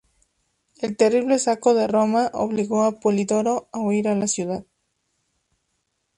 El terrible Saco de Roma obligó a Polidoro a huir de la ciudad.